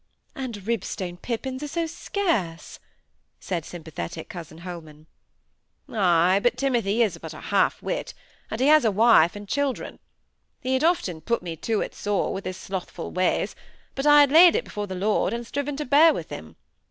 "And Ribstone pippins are so scarce," said sympathetic cousin Holman. "Ay! But Timothy is but a half wit; and he has a wife and children. He had often put me to it sore, with his slothful ways, but I had laid it before the Lord, and striven to bear with him.